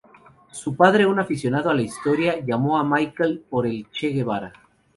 Su padre, un aficionado a la historia, llamó a Michael por el Che Guevara.